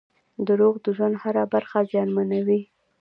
• دروغ د ژوند هره برخه زیانمنوي.